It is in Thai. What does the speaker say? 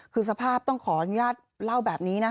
คือสภาพต้องขออนุญาตเล่าแบบนี้นะคะ